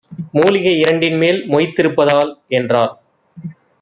மூலிகை இரண்டின்மேல் மொய்த்திருப்ப தால்" என்றாள்.